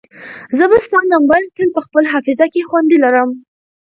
زه به ستا نمبر تل په خپل حافظه کې خوندي لرم.